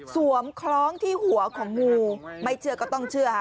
คล้องที่หัวของงูไม่เชื่อก็ต้องเชื่อค่ะ